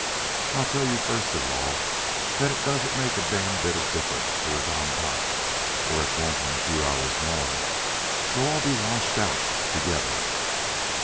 "I'll tell you first of all that it doesn't make a damn bit of difference who is on top or it won't in a few hours more. We'll all be washed out together.